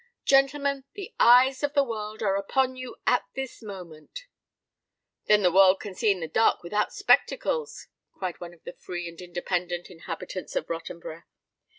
Gentlemen, the eyes of the world are upon you at this moment——" "Then the world can see in the dark without spectacles," cried one of the free and independent inhabitants of Rottenborough.